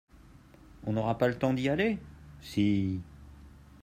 On n'aua pas le temps d'y aller ? Si !